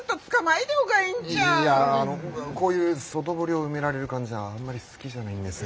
いやあのこういう外堀を埋められる感じはあんまり好きじゃないんですが。